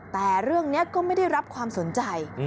แต่เรื่องนี้ก็ไม่ได้รับความสนใจ